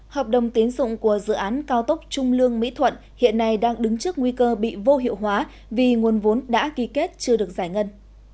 hợp đồng tiến dụng của dự án cao tốc trung lương mỹ thuận hiện nay đang đứng trước nguy cơ bị vô hiệu hóa vì nguồn vốn đã ký kết chưa được giải ngân